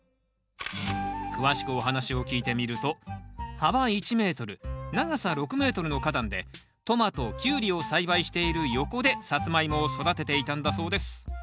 詳しくお話を聞いてみると幅１ｍ長さ６ｍの花壇でトマトキュウリを栽培している横でサツマイモを育てていたんだそうです